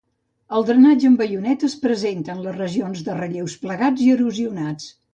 El drenatge en baioneta es presenta en les regions de relleus plegats i erosionats.